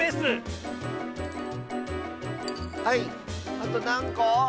あとなんこ？